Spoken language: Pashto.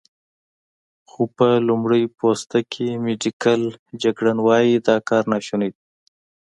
خو په لمړی پوسته کې، میډیکل جګړن وايي، دا کار ناشونی دی.